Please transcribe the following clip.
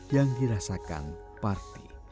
yang dirasakan parti